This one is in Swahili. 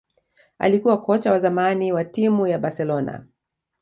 alikuwa kocha wa zamani wa timu ya Barcelona